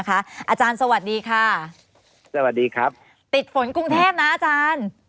อาจารย์สวัสดีค่ะติดฝนกรุงเทพนะอาจารย์